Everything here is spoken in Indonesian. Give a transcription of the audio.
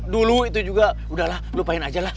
dulu itu juga udahlah lupain aja lah